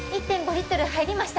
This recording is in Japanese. リットル入りました